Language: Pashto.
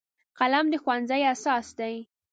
قلم د ښوونځي اساس دی